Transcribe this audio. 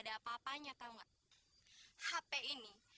ada apa apanya tahu hp ini